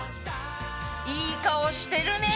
いい顔してるね。